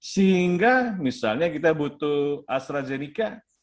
sehingga misalnya kita butuh astrazeneca